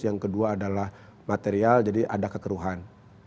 yang kedua adalah material jadi ada kekeruhan